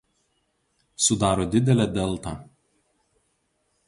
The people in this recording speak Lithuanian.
Sudaro didelę deltą.